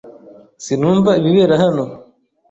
Sinumva ibibera hano.